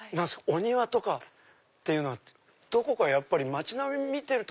お庭とかっていうのはどこか街並み見てると。